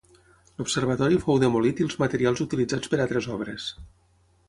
L'observatori fou demolit i els materials utilitzats per altres obres.